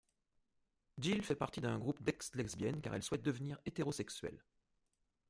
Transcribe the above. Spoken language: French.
Jill fait partie d'un groupe d'ex-lesbiennes, car elle souhaite devenir hétérosexuelle.